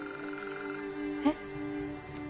えっ。